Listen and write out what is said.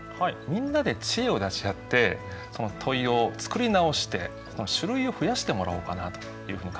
みんなで知恵を出し合ってその問いを作り直して種類を増やしてもらおうかなというふうに考えてます。